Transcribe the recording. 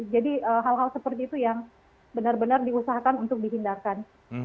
jadi hal hal seperti itu yang benar benar diusahakan untuk dihindarkan